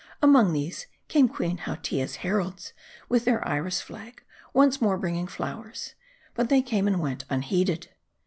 Among these, came Queen Hautia's heralds, with their Iris flag, once more bringing flowers. But they came and went unheeded.